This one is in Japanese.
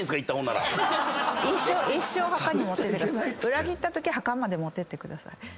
裏切ったときは墓まで持ってってください。